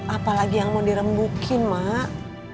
apalagi yang mau dirembukin mak